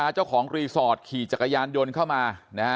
เจ้าของรีสอร์ทขี่จักรยานยนต์เข้ามา